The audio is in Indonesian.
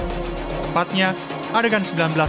tempatnya adegan sembilan belas dua puluh lima